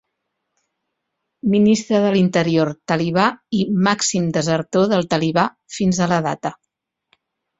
Ministre de l'Interior talibà i "màxim desertor del talibà fins a la data".